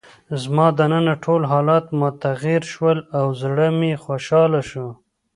زما دننه ټول حالات متغیر شول او زړه مې خوشحاله شو.